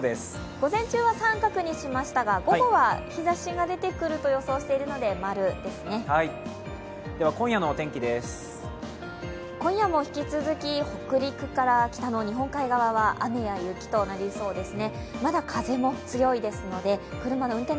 午前中は△にしましたが午後は日ざしが出てくると予想しているので○ですね。